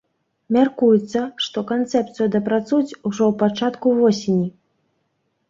Мяркуецца, што канцэпцыю дапрацуюць ужо ў пачатку восені.